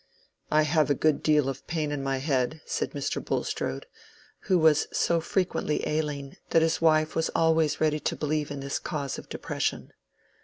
"I have a good deal of pain in my head," said Mr. Bulstrode, who was so frequently ailing that his wife was always ready to believe in this cause of depression.